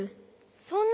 そんな！